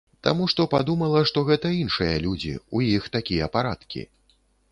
Таму што падумала, што гэта іншыя людзі, у іх такія парадкі.